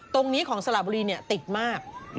ตรงนี้ของสระบุรีติดมาก